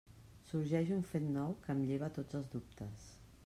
Sorgeix un fet nou que em lleva tots els dubtes.